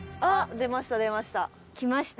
出ました出ました。